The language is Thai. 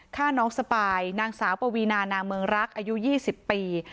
ฆ่าน้องสปายนางสาวปวีนานางเมืองรักอายุ๒๐ปี